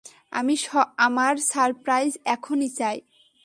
আমি আমার সারপ্রাইজ এখনই চাই।